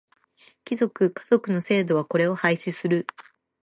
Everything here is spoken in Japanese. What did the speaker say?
皇族、華族の制度はこれを廃止する。